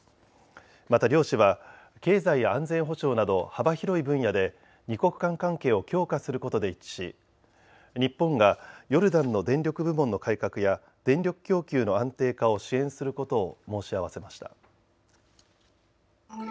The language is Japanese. また両氏は経済や安全保障など幅広い分野で二国間関係を強化することで一致し日本がヨルダンの電力部門の改革や電力供給の安定化を支援することを申し合わせました。